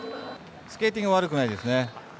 スケーティングは悪くないですね。